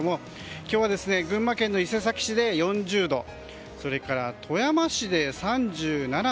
今日は群馬県伊勢崎市で４０度それから富山市で３７．２度。